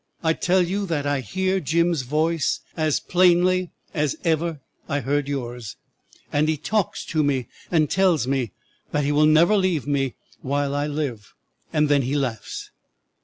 I tell you that I hear Jim's voice as plainly as I ever heard yours, and he talks to me and tells me that he will never leave me while I live, and then he laughs.